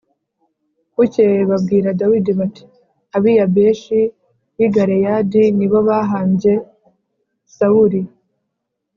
Bukeye babwira Dawidi bati “Ab’i Yabeshi y’i Galeyadi ni bo bahambye Sawuli”